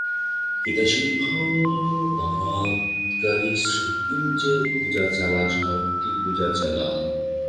গীতাসিংহনাদকারী শ্রীকৃষ্ণের পূজা চালা, শক্তিপূজা চালা।